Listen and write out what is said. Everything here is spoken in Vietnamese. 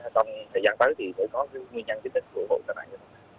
trong thời gian tới thì sẽ có nguyên nhân chứng tích của vụ tai nạn